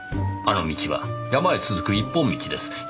あの道は山へ続く一本道です。